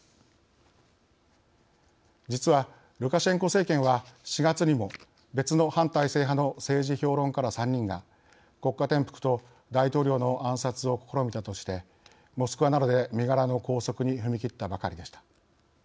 実はルカシェンコ政権は４月にも別の反体制派の政治評論家ら３人が国家転覆と大統領の暗殺を試みたとしてモスクワなどで身柄の拘束に踏み切ったばかりでした。